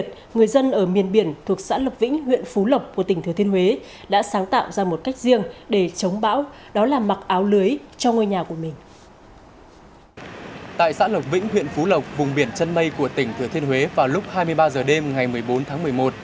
tại xã lộc vĩnh huyện phú lộc vùng biển chân mây của tỉnh thừa thiên huế vào lúc hai mươi ba h đêm ngày một mươi bốn tháng một mươi một